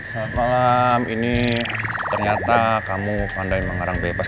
selamat malam ini ternyata kamu pandai mengarang bebas